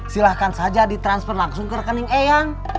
silahkan saja di transfer langsung ke rekening eyang